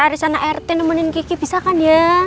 arisana rt nemenin kiki bisa kan ya